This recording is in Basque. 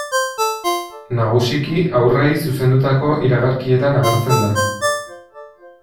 Nagusiki haurrei zuzendutako iragarkietan agertzen da.